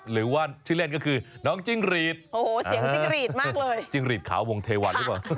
หรือว่าชื่อเล่นก็คือน้องจิ้งรีดโอ้โหเสียงจิ้งหรีดมากเลยจิ้งหรีดขาววงเทวันหรือเปล่า